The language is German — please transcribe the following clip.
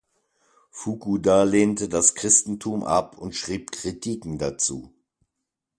Fukuda lehnte das Christentum ab und schrieb Kritiken dazu.